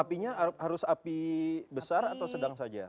apinya harus api besar atau sedang saja